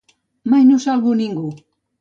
Mai no salvo ningú.